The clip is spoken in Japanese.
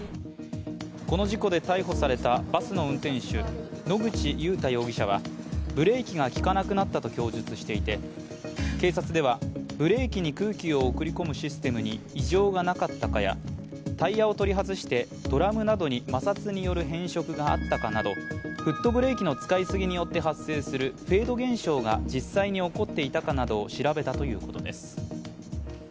この事故で逮捕されたバスの運転手、野口祐太容疑者はブレーキが利かなくなったと供述していて警察では、ブレーキに空気を送り込むシステムに異常がなかったかやタイヤを取り外して、ドラムなどに変色などがなかったかなどフットブレーキの使いすぎによって発生するフェード現象が実際に起こっていたかなどを調べたということです。